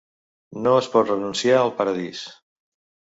No es pot renunciar al paradís.